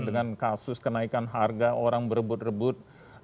dengan kasus kenaikan harga orang berebut rebut